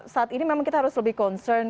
saat ini memang kita harus lebih concern